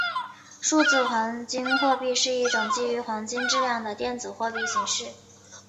数字黄金货币是一种基于黄金质量的电子货币形式。